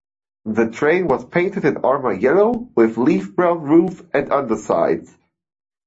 The train was painted in Armour Yellow with Leaf Brown roof and undersides.